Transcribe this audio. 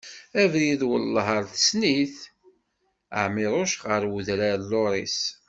Abrid Welleh ar tessen-it, Ɛmiruc ɣer udran n Luris.